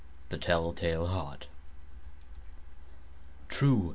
THE TELL TALE HEART. True!